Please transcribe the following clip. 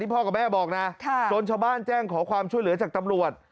พ่อกับแม่บอกนะจนชาวบ้านแจ้งขอความช่วยเหลือจากตำรวจ